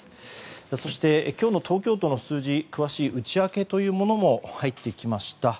そして、今日の東京都の数字詳しい内訳も入ってきました。